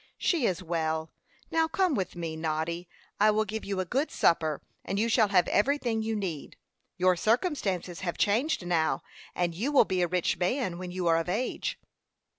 "She is well. Now come with me, Noddy. I will give you a good supper, and you shall have everything you need. Your circumstances have changed now, and you will be a rich man when you are of age."